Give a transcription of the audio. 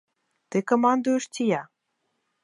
Ты камандуеш ці я?